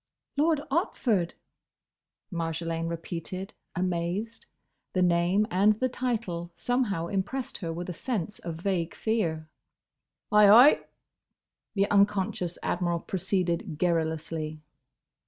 "Lord Otford!" Marjolaine repeated, amazed. The name and the title somehow impressed her with a sense of vague fear. "Ay, ay," the unconscious Admiral proceeded garrulously.